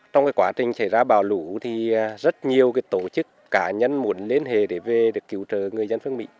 trong cái quá trình xảy ra bão lũ thì rất nhiều cái tổ chức cá nhân muốn lên hề để về để cứu trợ người dân phương mỹ